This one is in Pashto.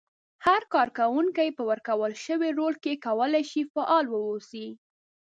هر کار کوونکی په ورکړل شوي رول کې کولای شي فعال واوسي.